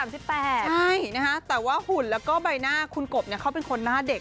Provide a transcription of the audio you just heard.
ใช่นะฮะแต่ว่าหุ่นแล้วก็ใบหน้าคุณกบเขาเป็นคนหน้าเด็ก